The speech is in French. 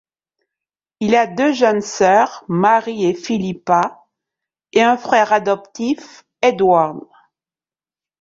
Il a deux jeunes sœurs, Mary et Philippa et un frère adoptif, Edward.